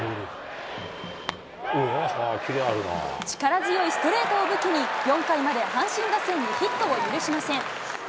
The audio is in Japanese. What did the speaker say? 力強いストレートを武器に、４回まで阪神打線をヒットを許しません。